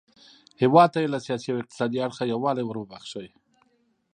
هیواد ته یې له سیاسي او اقتصادي اړخه یووالی وروباښه.